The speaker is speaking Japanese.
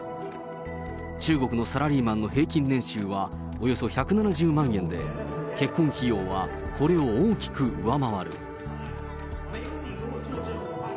中国のサラリーマンの平均年収は、およそ１７０万円で、結婚費用はこれを大きく上回る。